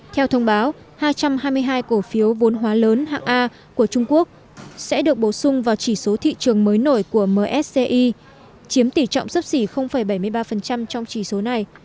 theo thông báo hai trăm hai mươi hai cổ phiếu vốn hóa lớn hạng a của trung quốc sẽ được bổ sung vào chỉ số thị trường mới nổi của msci chiếm tỷ trọng sấp xỉ bảy mươi ba trong chỉ số này